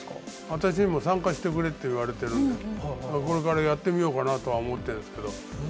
私にも参加してくれって言われてるんでこれからやってみようかなとは思ってるんですけど。